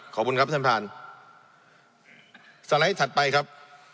ขอบคุณครับท่านท่านสไลด์ถัดไปครับ